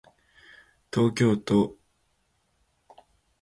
東京都雲雀市